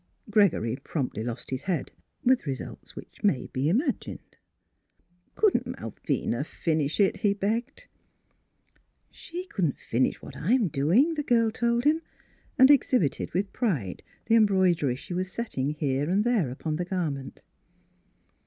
Gregory promptly lost his head, with results which may be imagined. "Couldn't Malvina finish it?" he begged. Mm Philura's Wedding Gown " She couldn't finish what I'm doing," the girl told him, and exhibited with pride the embroidery she was setting here and there upon the garment.